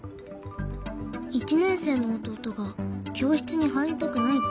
１年生の弟が教室に入りたくないって。